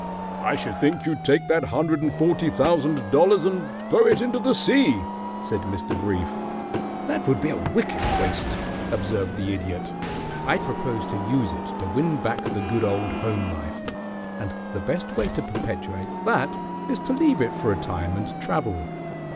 "I should think you'd take that hundred and forty thousand dollars and throw it into the sea," said Mr. Brief. "That would be wicked waste," observed the Idiot. "I propose to use it to win back the good old home life, and the best way to perpetuate that is to leave it for a time and travel.